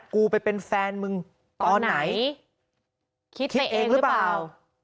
กูไปเป็นแฟนมึงตอนไหนคิดเองหรือเปล่า